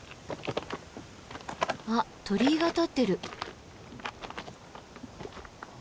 あっ鳥居が建ってる。